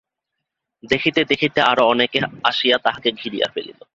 দেখিতে দেখিতে আরাে অনেকে আসিয়া তাঁহাকে ঘিরিয়া ফেলিল।